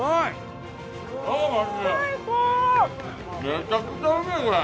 めちゃくちゃうまいこれ！